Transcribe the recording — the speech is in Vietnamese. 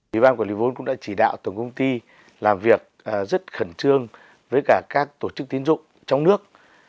ủy ban quản lý vốn cũng đã chỉ đạo tổng công ty làm việc rất khẩn trương với cả các tổ chức tín dụng trong nước